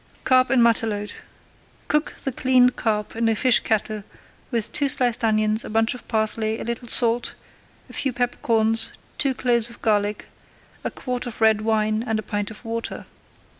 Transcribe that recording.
CARP IN MATELOTE Cook the cleaned carp in a fish kettle with [Page 87] two sliced onions, a bunch of parsley, a little salt, a few pepper corns, two cloves of garlic, a quart of red wine and a pint of water.